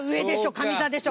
上座でしょ」。